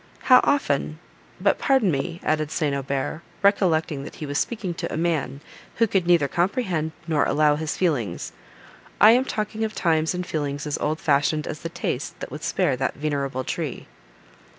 How often—but pardon me," added St. Aubert, recollecting that he was speaking to a man who could neither comprehend, nor allow his feelings, "I am talking of times and feelings as old fashioned as the taste that would spare that venerable tree."